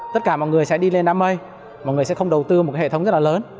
tất cả mọi người sẽ đi lên đám mây mọi người sẽ không đầu tư một hệ thống rất là lớn